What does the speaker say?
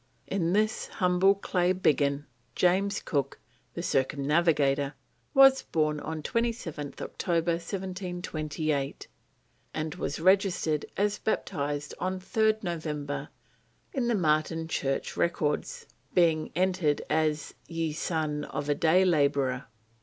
In this humble clay biggin James Cook, the Circumnavigator, was born on 27th October 1728, and was registered as baptised on 3rd November in the Marton church records, being entered as "ye son of a day labourer."